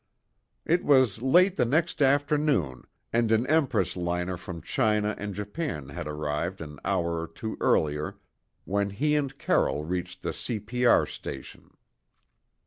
It was late the next afternoon, and an Empress liner from China and Japan had arrived an hour or two earlier, when he and Carroll reached the C.P.R. station.